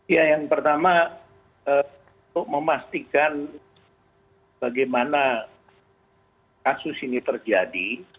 ya yang pertama untuk memastikan bagaimana kasus ini terjadi